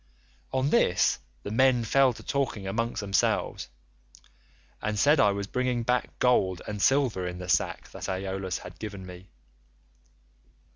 On this the men fell to talking among themselves, and said I was bringing back gold and silver in the sack that Aeolus had given me.